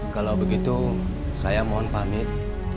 kalau begitu saya mohon pamit